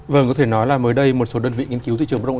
vâng có thể nói là mới đây một số đơn vị nghiên cứu thị trường